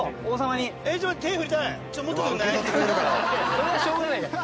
それはしょうがないから。